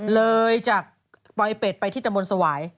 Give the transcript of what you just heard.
เลยจากปลอยเป็ดไปที่ตะมนต์สวาย